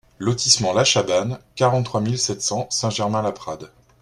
Lotissement La Chabanne, quarante-trois mille sept cents Saint-Germain-Laprade